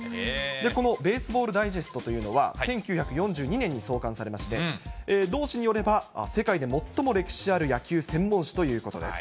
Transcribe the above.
このベースボール・ダイジェストというのは１９４２年に創刊されまして、同誌によれば、世界で最も歴史ある野球専門誌ということです。